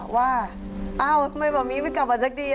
ว่าอ้าวทำไมพ่อมีไม่กลับมาสักที